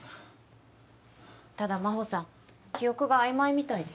ただ真帆さん記憶が曖昧みたいで。